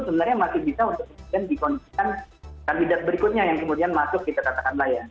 sebenarnya masih bisa untuk kemudian dikondisikan kandidat berikutnya yang kemudian masuk gitu katakanlah ya